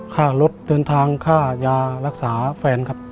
ค่ารถเดินทางค่ายารักษาแฟนครับ